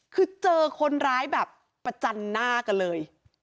คือเจอคนร้ายแบบประจันหน้ากันเลย